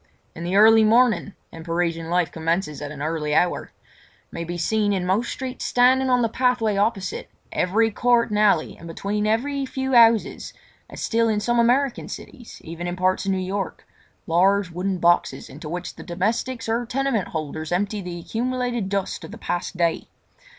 In the early morning—and Parisian life commences at an early hour—may be seen in most streets standing on the pathway opposite every court and alley and between every few houses, as still in some American cities, even in parts of New York, large wooden boxes into which the domestics or tenement holders empty the accumulated dust of the past day.